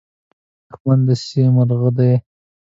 دښمن د دسیسې مرغه دی